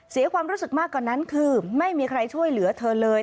เสียความรู้สึกมากกว่านั้นคือไม่มีใครช่วยเหลือเธอเลย